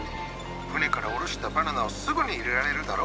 船から降ろしたバナナをすぐに入れられるだろ？